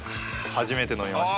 初めて飲みました。